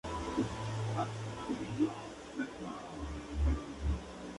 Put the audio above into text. Su hijo Luis la sucedió como conde de Artois.